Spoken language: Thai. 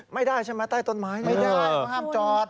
ไม่ได้ใช่ไหมใต้ต้นไม้ไม่ได้เขาห้ามจอด